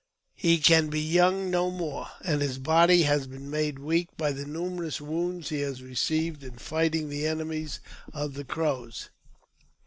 He can be young no more. His body has been made weak by the numerous wounds he has received in fighting the enemies of the Crows.